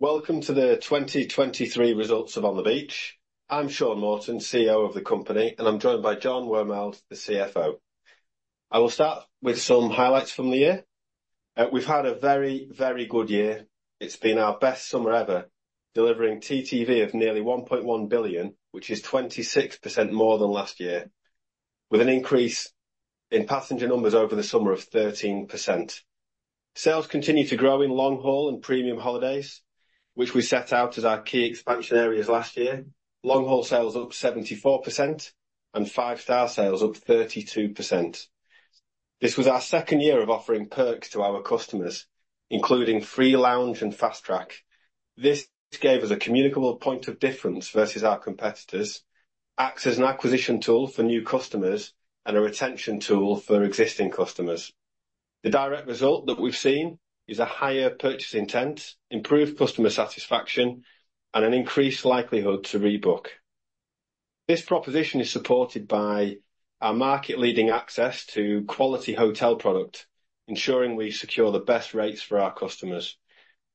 Welcome to the 2023 results of On the Beach. I'm Shaun Morton, CEO of the company, and I'm joined by Jon Wormald, the CFO. I will start with some highlights from the year. We've had a very, very good year. It's been our best summer ever, delivering TTV of nearly 1.1 billion, which is 26% more than last year, with an increase in passenger numbers over the summer of 13%. Sales continue to grow in long-haul and premium holidays, which we set out as our key expansion areas last year. Long-haul sales up 74% and five-star sales up 32%. This was our second year of offering perks to our customers, including free Lounge and Fast Track. This gave us a communicable point of difference versus our competitors, acts as an acquisition tool for new customers and a retention tool for existing customers. The direct result that we've seen is a higher purchase intent, improved customer satisfaction, and an increased likelihood to rebook. This proposition is supported by our market-leading access to quality hotel product, ensuring we secure the best rates for our customers,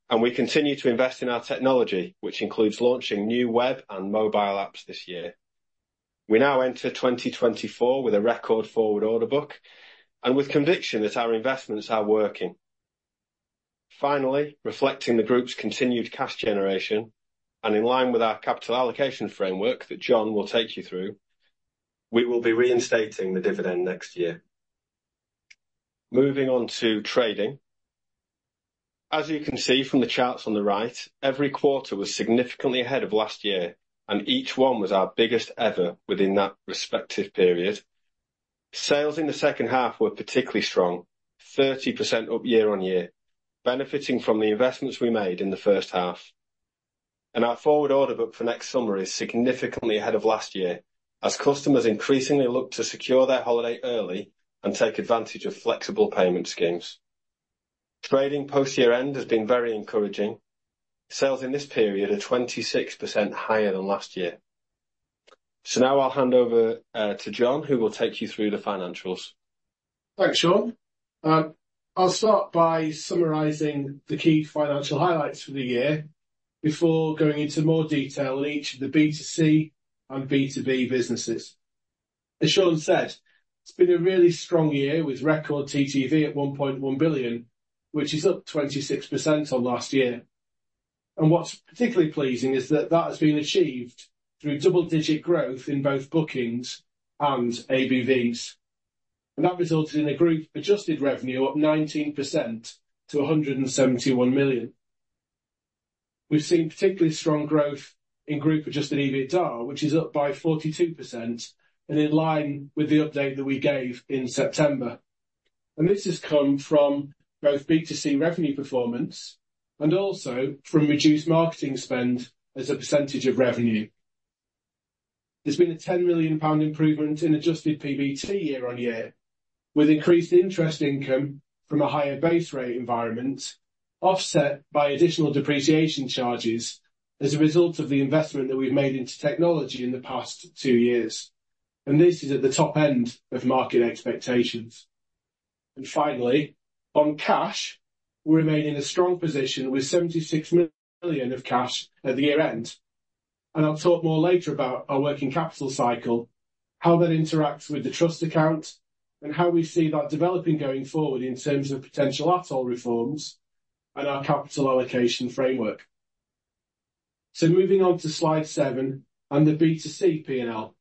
and we continue to invest in our technology, which includes launching new web and mobile apps this year. We now enter 2024 with a record forward order book and with conviction that our investments are working. Finally, reflecting the group's continued cash generation and in line with our capital allocation framework that Jon will take you through, we will be reinstating the dividend next year. Moving on to trading. As you can see from the charts on the right, every quarter was significantly ahead of last year, and each one was our biggest ever within that respective period. Sales in the second half were particularly strong, 30% up year-on-year, benefiting from the investments we made in the first half. Our forward order book for next summer is significantly ahead of last year, as customers increasingly look to secure their holiday early and take advantage of flexible payment schemes. Trading post-year end has been very encouraging. Sales in this period are 26% higher than last year. Now I'll hand over to Jon, who will take you through the financials. Thanks, Shaun. I'll start by summarizing the key financial highlights for the year before going into more detail on each of the B2C and B2B businesses. As Shaun said, it's been a really strong year, with record TTV at 1.1 billion, which is up 26% on last year. What's particularly pleasing is that that has been achieved through double-digit growth in both bookings and ABVs. That resulted in a group-adjusted revenue up 19% to 171 million. We've seen particularly strong growth in group-adjusted EBITDA, which is up by 42% and in line with the update that we gave in September. This has come from both B2C revenue performance and also from reduced marketing spend as a percentage of revenue. There's been a 10 million pound improvement in adjusted PBT year-on-year, with increased interest income from a higher base rate environment, offset by additional depreciation charges as a result of the investment that we've made into technology in the past two years. And this is at the top end of market expectations. And finally, on cash, we remain in a strong position with 76 million of cash at the year end, and I'll talk more later about our working capital cycle, how that interacts with the trust account, and how we see that developing going forward in terms of potential ATOL reforms and our capital allocation framework. So moving on to slide seven and the B2C P&L.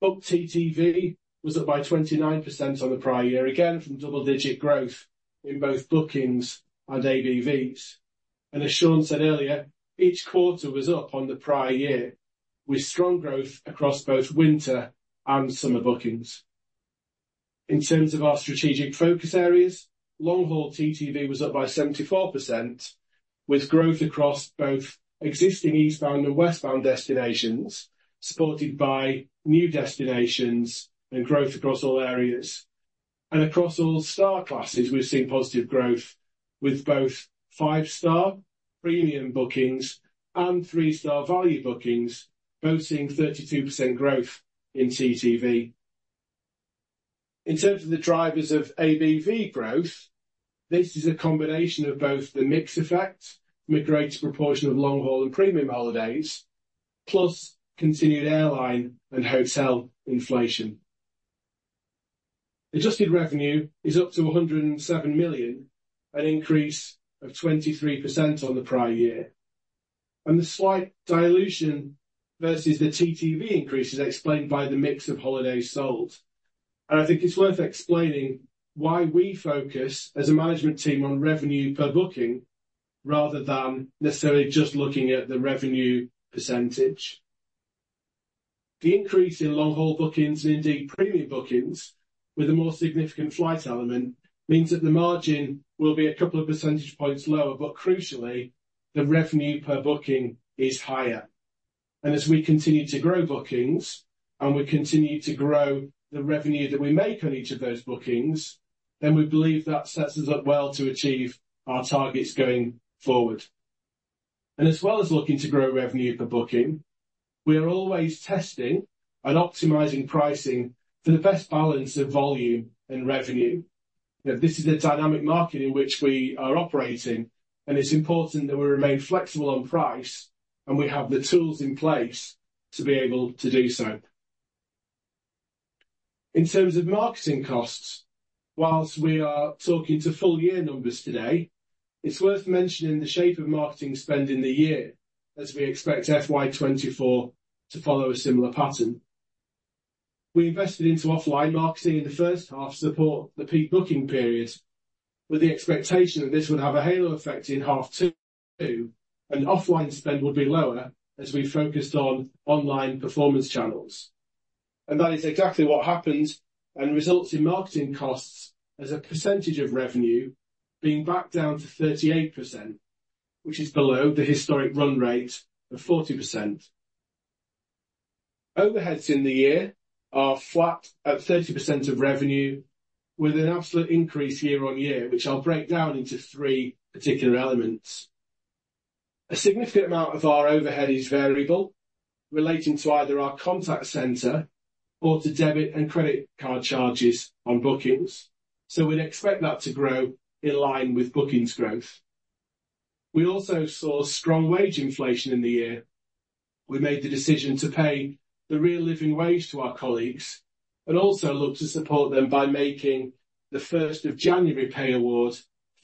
Book TTV was up by 29% on the prior year, again, from double-digit growth in both bookings and ABVs. As Shaun said earlier, each quarter was up on the prior year, with strong growth across both winter and summer bookings. In terms of our strategic focus areas, long-haul TTV was up by 74%, with growth across both existing eastbound and westbound destinations, supported by new destinations and growth across all areas. Across all star classes, we've seen positive growth, with both five-star premium bookings and three-star value bookings, both seeing 32% growth in TTV. In terms of the drivers of ABV growth, this is a combination of both the mix effect from a greater proportion of long-haul and premium holidays, plus continued airline and hotel inflation. Adjusted revenue is up to 107 million, an increase of 23% on the prior year, and the slight dilution versus the TTV increase is explained by the mix of holidays sold. I think it's worth explaining why we focus, as a management team, on revenue per booking rather than necessarily just looking at the revenue percentage. The increase in long-haul bookings, and indeed premium bookings, with a more significant flight element, means that the margin will be a couple of percentage points lower, but crucially, the revenue per booking is higher. As we continue to grow bookings and we continue to grow the revenue that we make on each of those bookings, then we believe that sets us up well to achieve our targets going forward... As well as looking to grow revenue per booking, we are always testing and optimizing pricing for the best balance of volume and revenue. Now, this is a dynamic market in which we are operating, and it's important that we remain flexible on price, and we have the tools in place to be able to do so. In terms of marketing costs, while we are talking to full year numbers today, it's worth mentioning the shape of marketing spend in the year, as we expect FY 2024 to follow a similar pattern. We invested into offline marketing in the first half to support the peak booking period, with the expectation that this would have a halo effect in half two, and offline spend would be lower as we focused on online performance channels. And that is exactly what happened, and results in marketing costs as a percentage of revenue being back down to 38%, which is below the historic run rate of 40%. Overheads in the year are flat at 30% of revenue, with an absolute increase year-on-year, which I'll break down into three particular elements. A significant amount of our overhead is variable, relating to either our contact center or to debit and credit card charges on bookings, so we'd expect that to grow in line with bookings growth. We also saw strong wage inflation in the year. We made the decision to pay the Real Living Wage to our colleagues, but also look to support them by making the first of January pay award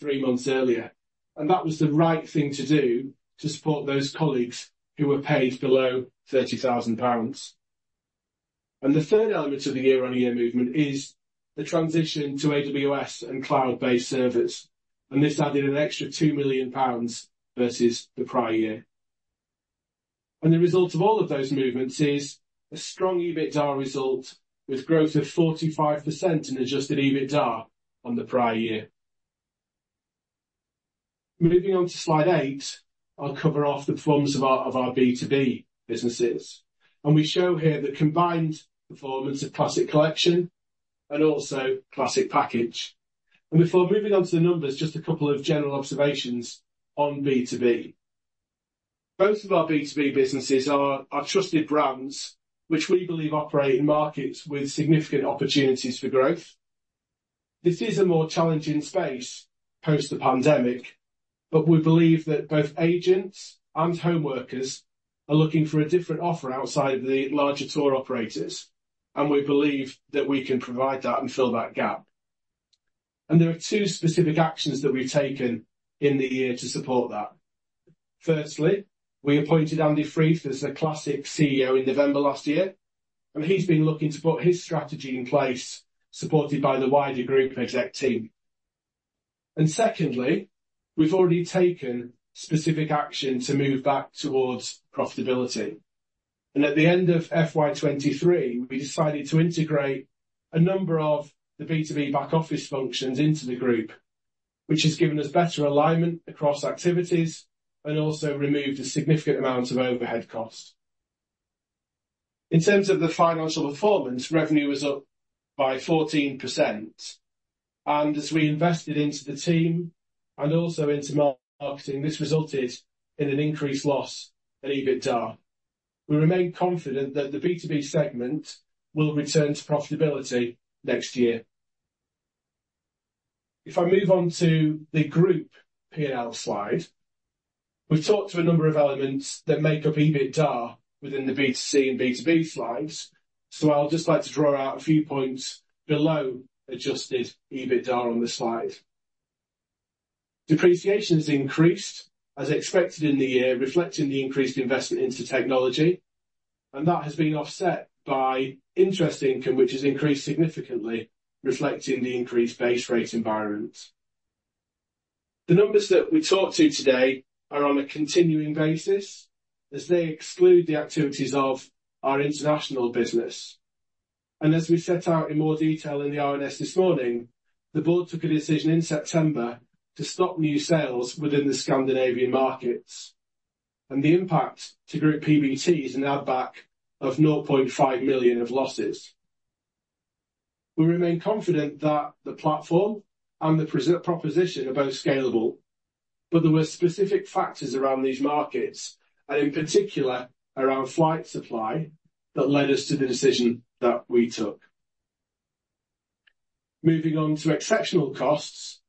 three months earlier. That was the right thing to do to support those colleagues who were paid below 30,000 pounds. The third element of the year-on-year movement is the transition to AWS and cloud-based servers, and this added an extra 2 million pounds versus the prior year. And the result of all of those movements is a strong EBITDA result, with growth of 45% in adjusted EBITDA on the prior year. Moving on to slide eight, I'll cover off the performance of our, of our B2B businesses. We show here the combined performance of Classic Collection and also Classic Package. Before moving on to the numbers, just a couple of general observations on B2B. Both of our B2B businesses are our trusted brands, which we believe operate in markets with significant opportunities for growth. This is a more challenging space post the pandemic, but we believe that both agents and home workers are looking for a different offer outside the larger tour operators, and we believe that we can provide that and fill that gap. There are two specific actions that we've taken in the year to support that. Firstly, we appointed Andy Freeth as the Classic CEO in November last year, and he's been looking to put his strategy in place, supported by the wider group exec team. And secondly, we've already taken specific action to move back towards profitability. And at the end of FY 2023, we decided to integrate a number of the B2B back office functions into the group, which has given us better alignment across activities and also removed a significant amount of overhead costs. In terms of the financial performance, revenue was up by 14%, and as we invested into the team and also into marketing, this resulted in an increased loss in EBITDA. We remain confident that the B2B segment will return to profitability next year. If I move on to the Group P&L slide, we've talked to a number of elements that make up EBITDA within the B2C and B2B slides, so I'll just like to draw out a few points below adjusted EBITDA on this slide. Depreciation has increased as expected in the year, reflecting the increased investment into technology, and that has been offset by interest income, which has increased significantly, reflecting the increased base rate environment. The numbers that we talked to today are on a continuing basis as they exclude the activities of our international business. As we set out in more detail in the RNS this morning, the board took a decision in September to stop new sales within the Scandinavian markets, and the impact to Group PBT is a net back of 0.5 million of losses. We remain confident that the platform and the proposition are both scalable, but there were specific factors around these markets and in particular around flight supply, that led us to the decision that we took. Moving on to exceptional costs.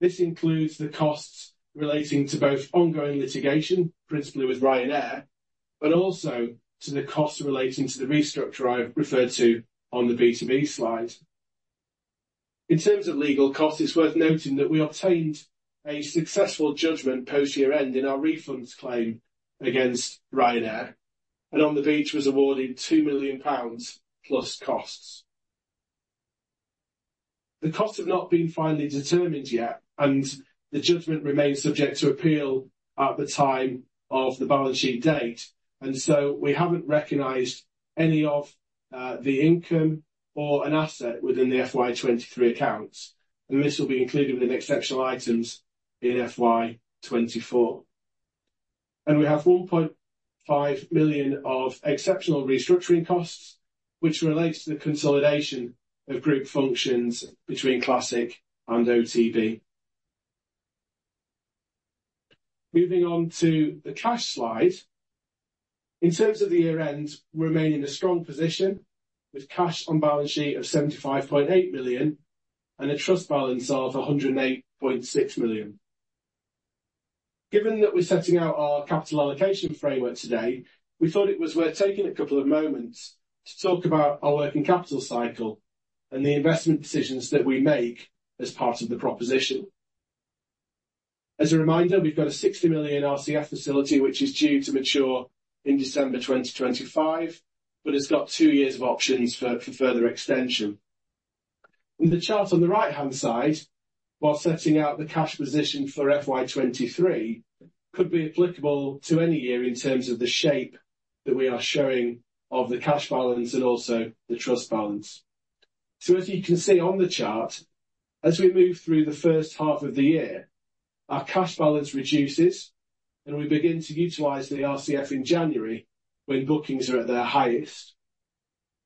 This includes the costs relating to both ongoing litigation, principally with Ryanair, but also to the cost relating to the restructure I referred to on the B2B slide. In terms of legal costs, it's worth noting that we obtained a successful judgment post-year end in our refunds claim against Ryanair, and On the Beach was awarded 2 million pounds plus costs. The costs have not been finally determined yet, and the judgment remains subject to appeal at the time of the balance sheet date, and so we haven't recognized any of the income or an asset within the FY 2023 accounts, and this will be included within exceptional items in FY 2024. We have 1.5 million of exceptional restructuring costs, which relates to the consolidation of group functions between Classic and OTB. Moving on to the cash slide. In terms of the year-end, we remain in a strong position, with cash on balance sheet of 75.8 million and a trust balance of 108.6 million. Given that we're setting out our capital allocation framework today, we thought it was worth taking a couple of moments to talk about our working capital cycle and the investment decisions that we make as part of the proposition. As a reminder, we've got a 60 million RCF facility, which is due to mature in December 2025, but it's got two years of options for further extension. In the chart on the right-hand side, while setting out the cash position for FY 2023, could be applicable to any year in terms of the shape that we are showing of the cash balance and also the trust balance. So as you can see on the chart, as we move through the first half of the year, our cash balance reduces, and we begin to utilize the RCF in January when bookings are at their highest.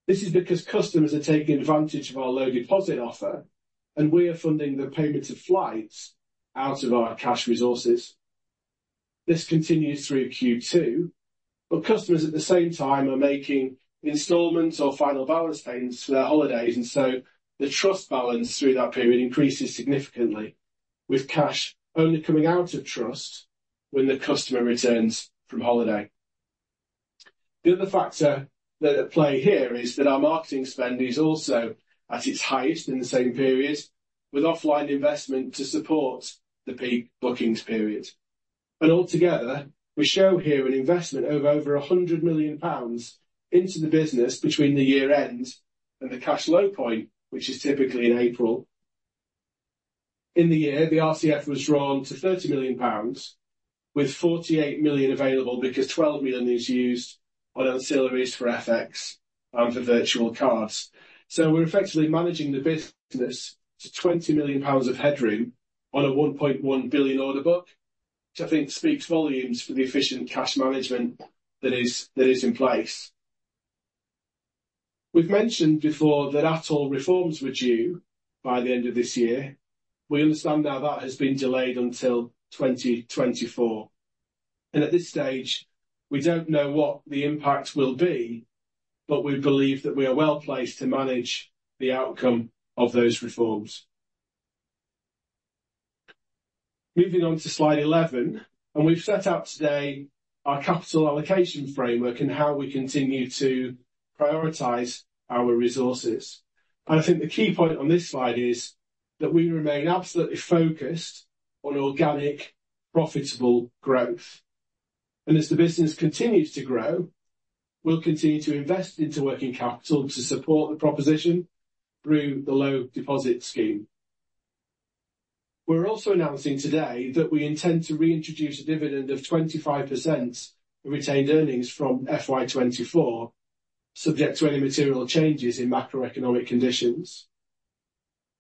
This is because customers are taking advantage of our low deposit offer, and we are funding the payment of flights out of our cash resources. This continues through Q2, but customers at the same time are making installments or final balance payments for their holidays, and so the trust balance through that period increases significantly, with cash only coming out of trust when the customer returns from holiday. The other factor that's at play here is that our marketing spend is also at its highest in the same period, with offline investment to support the peak bookings period. Altogether, we show here an investment of over 100 million pounds into the business between the year-end and the cash low point, which is typically in April. In the year, the RCF was drawn to 30 million pounds, with 48 million available because 12 million is used on ancillaries for FX and for virtual cards. So we're effectively managing the business to 20 million pounds of headroom on a 1.1 billion order book, which I think speaks volumes for the efficient cash management that is, that is in place. We've mentioned before that ATOL reforms were due by the end of this year. We understand now that has been delayed until 2024, and at this stage, we don't know what the impact will be, but we believe that we are well-placed to manage the outcome of those reforms. Moving on to slide 11, and we've set out today our capital allocation framework and how we continue to prioritize our resources. I think the key point on this slide is, that we remain absolutely focused on organic, profitable growth. As the business continues to grow, we'll continue to invest into working capital to support the proposition through the low deposit scheme. We're also announcing today that we intend to reintroduce a dividend of 25% of retained earnings from FY 2024, subject to any material changes in macroeconomic conditions.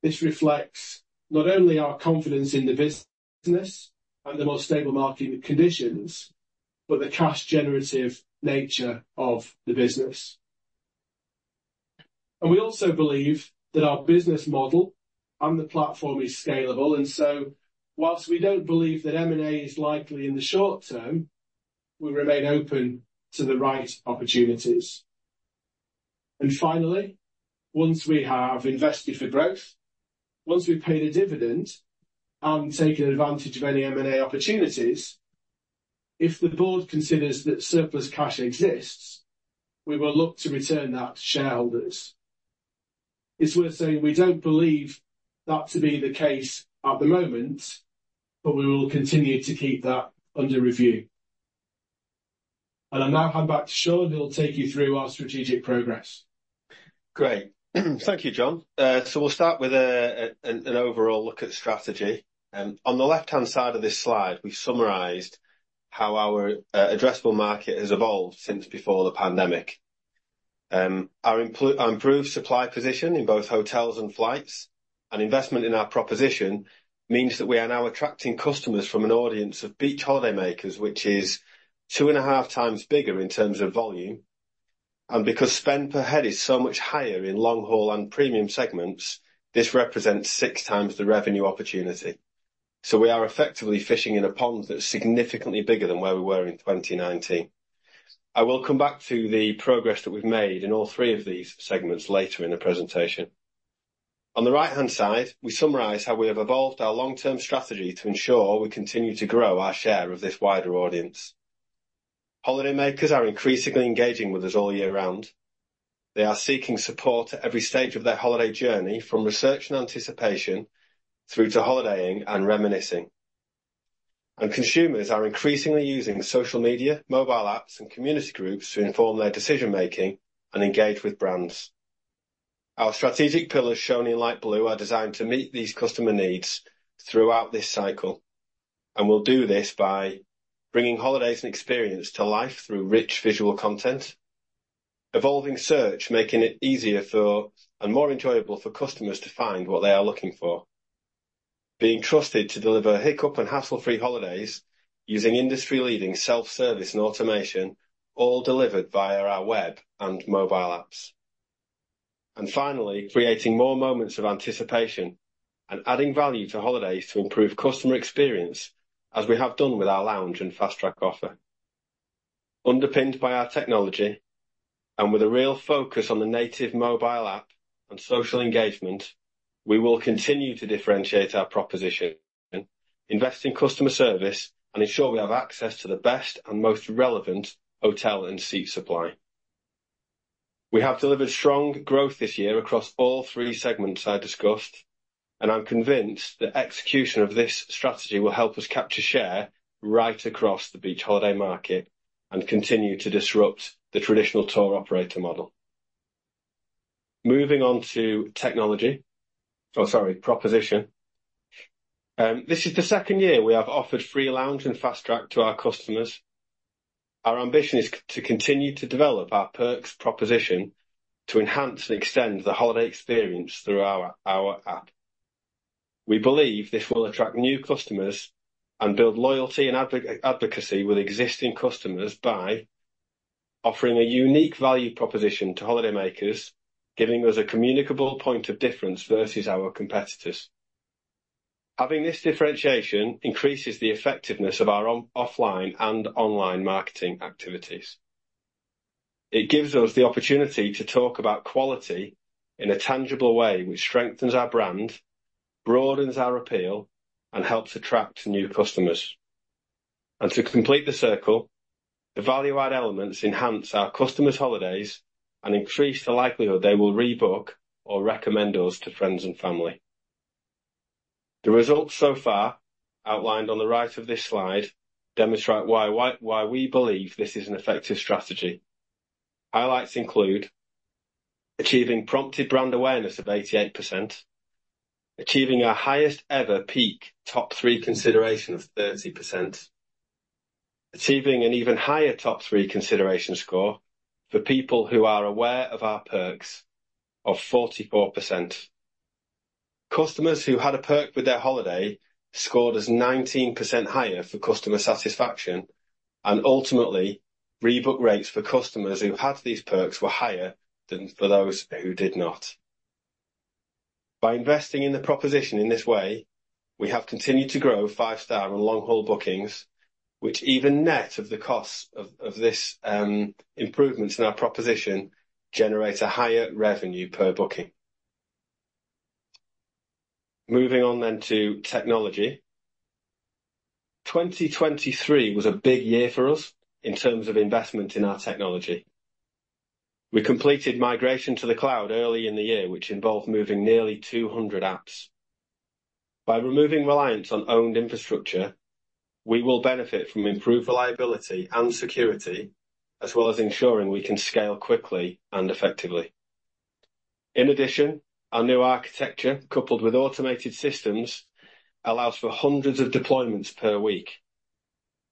This reflects not only our confidence in the business and the more stable market conditions, but the cash-generative nature of the business. We also believe that our business model and the platform is scalable, and so whilst we don't believe that M&A is likely in the short term, we remain open to the right opportunities. Finally, once we have invested for growth, once we've paid a dividend and taken advantage of any M&A opportunities, if the board considers that surplus cash exists, we will look to return that to shareholders. It's worth saying we don't believe that to be the case at the moment, but we will continue to keep that under review. I'll now hand back to Shaun, who will take you through our strategic progress. Great. Thank you, Jon. So we'll start with an overall look at strategy. On the left-hand side of this slide, we've summarized how our addressable market has evolved since before the pandemic. Our improved supply position in both hotels and flights, and investment in our proposition, means that we are now attracting customers from an audience of beach holidaymakers, which is 2.5 times bigger in terms of volume. Because spend per head is so much higher in long-haul and premium segments, this represents six times the revenue opportunity. We are effectively fishing in a pond that's significantly bigger than where we were in 2019. I will come back to the progress that we've made in all three of these segments later in the presentation. On the right-hand side, we summarize how we have evolved our long-term strategy to ensure we continue to grow our share of this wider audience. Holidaymakers are increasingly engaging with us all year round. They are seeking support at every stage of their holiday journey, from research and anticipation through to holidaying and reminiscing. Consumers are increasingly using social media, mobile apps, and community groups to inform their decision making and engage with brands. Our strategic pillars, shown in light blue, are designed to meet these customer needs throughout this cycle, and we'll do this by bringing holidays and experience to life through rich visual content, evolving search, making it easier for, and more enjoyable for customers to find what they are looking for, being trusted to deliver hiccup and hassle-free holidays using industry-leading self-service and automation, all delivered via our web and mobile apps. And finally, creating more moments of anticipation and adding value to holidays to improve customer experience, as we have done with our Lounge and Fast Track offer. Underpinned by our technology, and with a real focus on the native mobile app and social engagement, we will continue to differentiate our proposition, invest in customer service, and ensure we have access to the best and most relevant hotel and seat supply. We have delivered strong growth this year across all three segments I discussed, and I'm convinced that execution of this strategy will help us capture share right across the beach holiday market and continue to disrupt the traditional tour operator model. Moving on to technology. Oh, sorry, proposition. This is the second year we have offered free Lounge and Fast Track to our customers. Our ambition is to continue to develop our perks proposition to enhance and extend the holiday experience through our app. We believe this will attract new customers and build loyalty and advocacy with existing customers by offering a unique value proposition to holidaymakers, giving us a communicable point of difference versus our competitors. Having this differentiation increases the effectiveness of our offline and online marketing activities. It gives us the opportunity to talk about quality in a tangible way, which strengthens our brand, broadens our appeal, and helps attract new customers. And to complete the circle, the value-add elements enhance our customers' holidays and increase the likelihood they will rebook or recommend us to friends and family. The results so far, outlined on the right of this slide, demonstrate why we believe this is an effective strategy. Highlights include: achieving prompted brand awareness of 88%, achieving our highest-ever peak top three consideration of 30%, achieving an even higher top three consideration score for people who are aware of our perks of 44%. Customers who had a perk with their holiday scored us 19% higher for customer satisfaction, and ultimately, rebook rates for customers who had these perks were higher than for those who did not. By investing in the proposition in this way, we have continued to grow five-star and long-haul bookings, which even net of the costs of this improvements in our proposition, generate a higher revenue per booking. Moving on then to technology. 2023 was a big year for us in terms of investment in our technology. We completed migration to the cloud early in the year, which involved moving nearly 200 apps. By removing reliance on owned infrastructure, we will benefit from improved reliability and security, as well as ensuring we can scale quickly and effectively. In addition, our new architecture, coupled with automated systems, allows for hundreds of deployments per week.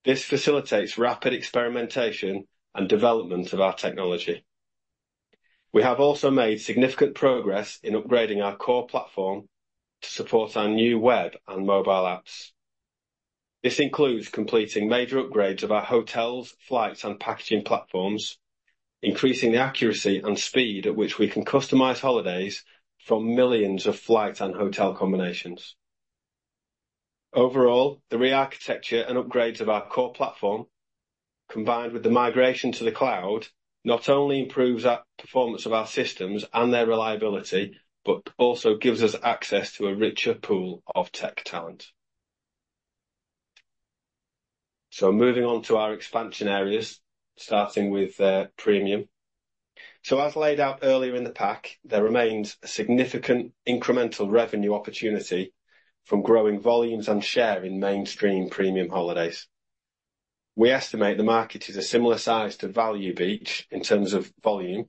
This facilitates rapid experimentation and development of our technology. We have also made significant progress in upgrading our core platform to support our new web and mobile apps. This includes completing major upgrades of our hotels, flights, and packaging platforms, increasing the accuracy and speed at which we can customize holidays from millions of flight and hotel combinations. Overall, the rearchitecture and upgrades of our core platform, combined with the migration to the cloud, not only improves our performance of our systems and their reliability, but also gives us access to a richer pool of tech talent. Moving on to our expansion areas, starting with premium. So as laid out earlier in the pack, there remains a significant incremental revenue opportunity from growing volumes and share in mainstream premium holidays. We estimate the market is a similar size to Value Beach in terms of volume,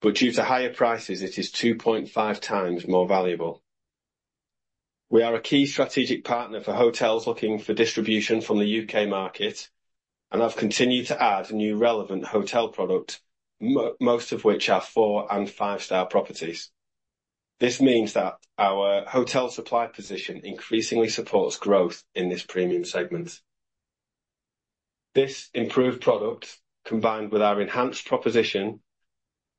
but due to higher prices, it is 2.5 times more valuable. We are a key strategic partner for hotels looking for distribution from the U.K. market, and have continued to add new relevant hotel product, most of which are four and five-star properties. This means that our hotel supply position increasingly supports growth in this premium segment. This improved product, combined with our enhanced proposition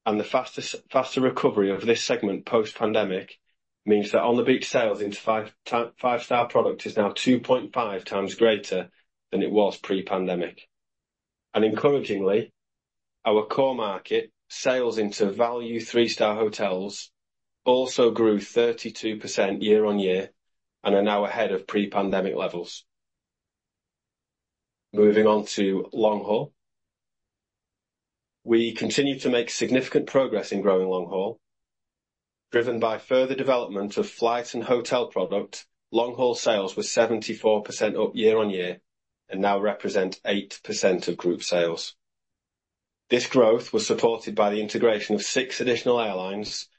and the faster recovery of this segment post-pandemic, means that On the Beach sales into five-star product is now 2.5 times greater than it was pre-pandemic. Encouragingly, our core market sales into value three-star hotels also grew 32% year-on-year and are now ahead of pre-pandemic levels. Moving on to long-haul. We continue to make significant progress in growing long-haul, driven by further development of flight and hotel product. Long-haul sales were 74% up year-on-year and now represent 8% of group sales. This growth was supported by the integration of six additional airlines,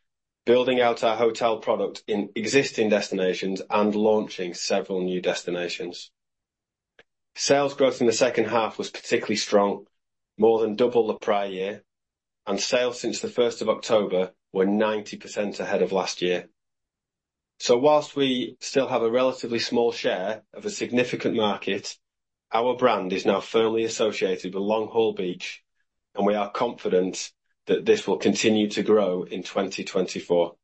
building out our hotel product in existing destinations and launching several new destinations. Sales growth in the second half was particularly strong, more than double the prior year, and sales since the first of October were 90% ahead of last year. So while we still have a relatively small share of a significant market, our brand is now firmly associated with Long-Haul Beach, and we are confident that this will continue to grow in 2024.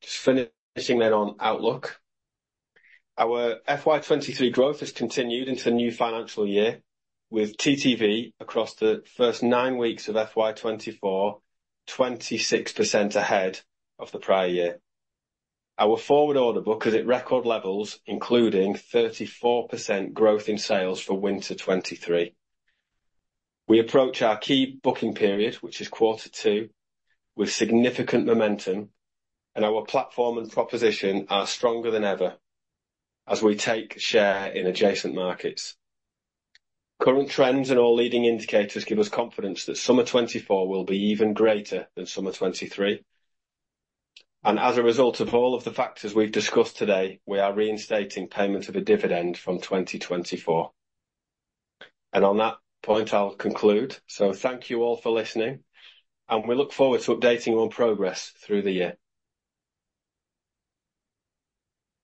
Just finishing then on outlook. Our FY 2023 growth has continued into the new financial year, with TTV across the first nine weeks of FY 2024, 26% ahead of the prior year. Our forward order book is at record levels, including 34% growth in sales for winter 2023. We approach our key booking period, which is quarter two, with significant momentum, and our platform and proposition are stronger than ever as we take share in adjacent markets. Current trends and all leading indicators give us confidence that summer 2024 will be even greater than summer 2023. And as a result of all of the factors we've discussed today, we are reinstating payment of a dividend from 2024. And on that point, I'll conclude. So thank you all for listening, and we look forward to updating on progress through the year.